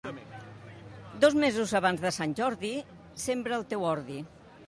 Dos mesos abans de Sant Jordi sembra el teu ordi.